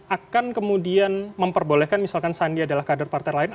akan kemudian memperbolehkan misalkan sandi adalah kader partai lain